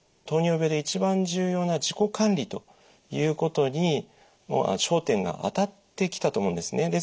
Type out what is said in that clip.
糖尿病で一番重要な自己管理ということにもう焦点が当たってきたと思うんですね。